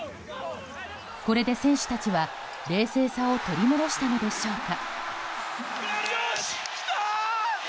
これで選手たちは、冷静さを取り戻したのでしょうか。